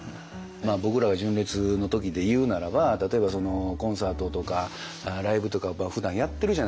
僕らが純烈の時で言うならば例えばコンサートとかライブとかふだんやってるじゃないですか。